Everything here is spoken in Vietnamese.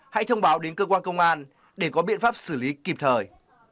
hãy thông báo đến cơ quan công an để có biện pháp xử lý kịp thời